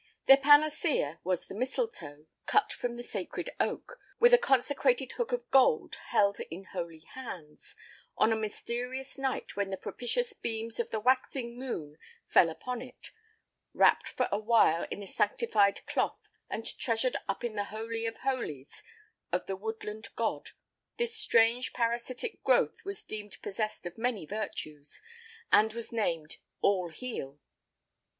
Their panacea was the mistletoe, cut from the sacred oak, with a consecrated hook of gold held in holy hands, on a mysterious night when the propitious beams of the waxing moon fell upon it; wrapped for a while in a sanctified cloth and treasured up in the holy of holies of the woodland god, this strange parasitic growth was deemed possessed of many virtues and was named All heal.